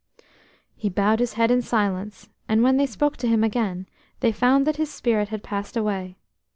He bowed his head in silence, and when they spoke to him again they found that his spirit had passed away.